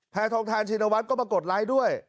ทองทานชินวัฒน์ก็มากดไลค์ด้วย